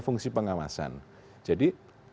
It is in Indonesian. fungsi pengawasan jadi